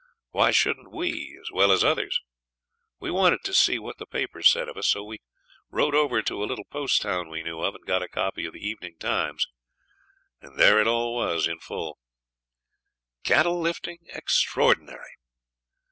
Why shouldn't we as well as others? We wanted to see what the papers said of us, so we rode over to a little post town we knew of and got a copy of the 'Evening Times'. There it all was in full: CATTLE LIFTING EXTRAORDINARY.